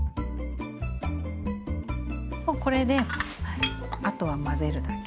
もうこれであとは混ぜるだけ。